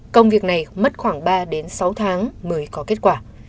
công việc này mất khoảng ba đến sáu tháng mới có kết quả